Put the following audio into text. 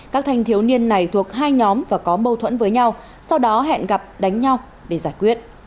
các thanh thiếu niên này thuộc hai nhóm và có mâu thuẫn với nhau sau đó hẹn gặp đánh nhau để giải quyết